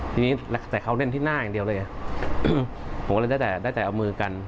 ทีนี้แต่เขาเล่นที่หน้าอย่างเดียวเลยผมก็เลยได้แต่ได้แต่เอามือกัน